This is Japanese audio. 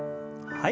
はい。